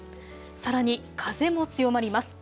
さらに風も強まります。